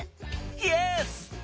イエス！